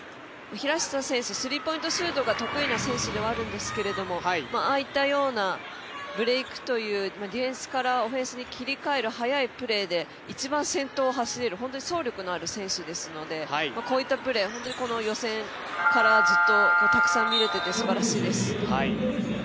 平下選手、スリーポイントシュートが得意な選手ではあるんですがああいったようなブレークというディフェンスからオフェンスに切り替える速いプレーで一番、先頭を走れる走力のある選手ですのでこういったプレー、本当に予選からずっとたくさん見れていてすばらしいです。